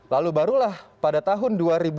lalu barulah pada tahun dua ribu dua